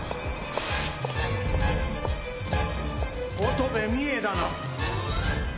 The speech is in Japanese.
乙部美栄だな？